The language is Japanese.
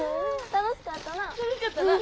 楽しかったな。